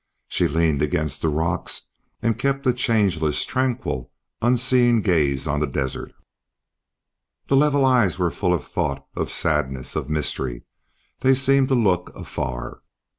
She leaned against the rocks and kept a changeless, tranquil, unseeing gaze on the desert. The level eyes were full of thought, of sadness, of mystery; they seemed to look afar.